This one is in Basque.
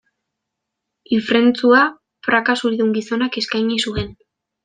Ifrentzua praka zuridun gizonak eskaini zuen.